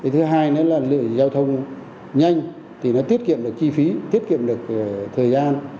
thứ hai nữa là giao thông nhanh thì nó tiết kiệm được chi phí tiết kiệm được thời gian